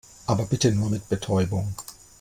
Aber bitte nur mit Betäubung.